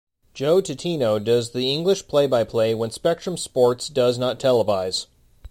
Joe Tutino does the English play-by-play when Spectrum Sports does not televise.